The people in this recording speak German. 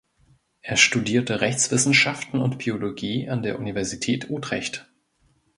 Er studierte Rechtswissenschaften und Biologie an der Universität Utrecht.